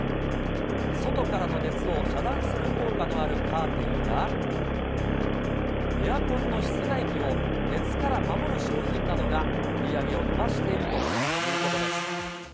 外からの熱を遮断する効果のあるカーテンや、エアコンの室外機を熱から守る商品などが売り上げを伸ばしているということです。